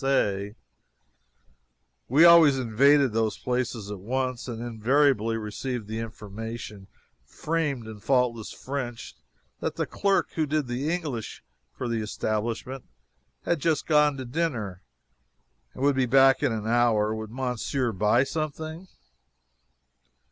We always invaded these places at once and invariably received the information, framed in faultless French, that the clerk who did the English for the establishment had just gone to dinner and would be back in an hour would Monsieur buy something?